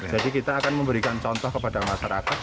jadi kita akan memberikan contoh kepada masyarakat